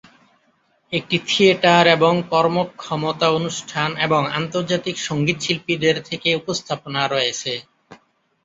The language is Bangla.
একটি থিয়েটার এবং কর্মক্ষমতা অনুষ্ঠান এবং আন্তর্জাতিক সঙ্গীতশিল্পীদের থেকে উপস্থাপনা রয়েছে।